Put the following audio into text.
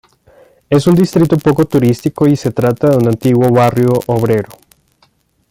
Es un distrito poco turístico y se trata de un antiguo barrio obrero.